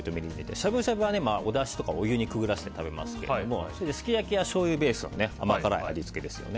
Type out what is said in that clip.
しゃぶしゃぶは、おだしとかお湯にくぐらせて食べますけどすき焼きはしょうゆベースの甘辛い味付けですよね。